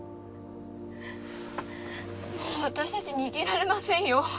もう私たち逃げられませんよ。